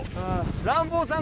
ランボーさん